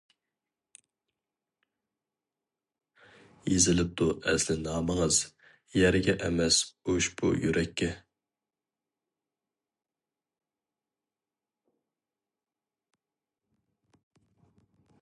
يېزىلىپتۇ ئەسلى نامىڭىز، يەرگە ئەمەس ئۇشبۇ يۈرەككە.